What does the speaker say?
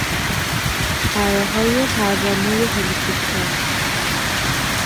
پرههای پروانهی هلیکوپتر